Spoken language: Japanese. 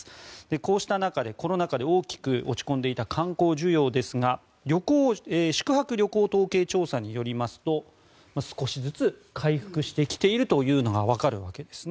こうした中でコロナ禍で大きく落ち込んでいた観光需要ですが宿泊旅行統計調査によりますと少しずつ回復してきているというのがわかるわけですね。